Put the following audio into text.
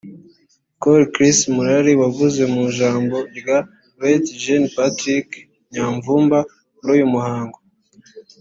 Col Chris Murari wavuze mu ijambo rya Lt Gen Patrick Nyamvumba muri uyu muhango